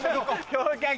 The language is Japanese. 合格！